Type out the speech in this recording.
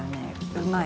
うまい。